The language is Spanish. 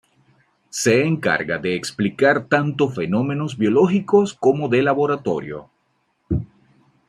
Se encarga de explicar tanto fenómenos biológicos como de laboratorio.